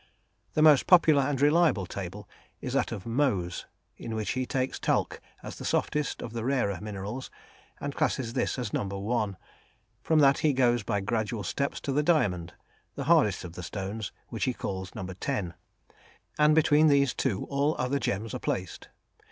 The most popular and reliable table is that of Mohs, in which he takes talc as the softest of the rarer minerals and classes this as No. 1; from that he goes by gradual steps to the diamond, the hardest of the stones, which he calls No. 10, and between these two all other gems are placed.